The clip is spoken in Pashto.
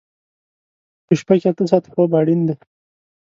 په شپه کې اته ساعته خوب اړین دی.